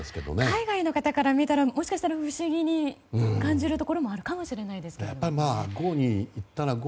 海外の方から見たら不思議に感じるところもあるかもしれないですけどね。